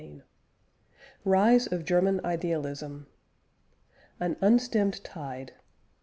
CHAPTER VI RISE OF GERMAN IDEALISM AN UNSTEMMED TIDE.